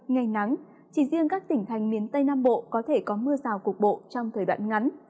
ngày nắng chỉ riêng các tỉnh thành miền tây nam bộ có thể có mưa rào cục bộ trong thời đoạn ngắn